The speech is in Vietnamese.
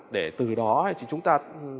để từ đó chúng ta